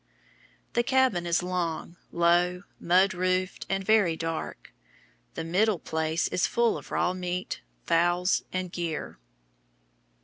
The cabin is long, low, mud roofed, and very dark. The middle place is full of raw meat, fowls, and gear.